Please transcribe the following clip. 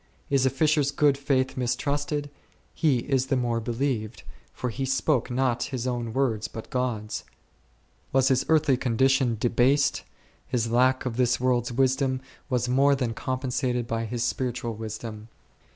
Is a fisher's good faith mistrusted, he is the more believed, for he spoke not his own words but God's. Was his earthly con dition debased, his lack of this worlds wisdom was _ o o o ©n ?0ol2 Fir shuts. 63 more than compensated by his spiritual wisdom.